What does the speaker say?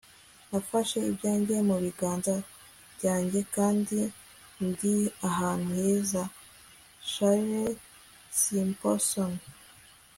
nafashe ibyanjye mu biganza byanjye kandi ndi ahantu heza. - charlie simpson